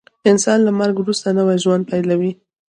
انسان له مرګ وروسته نوی ژوند پیلوي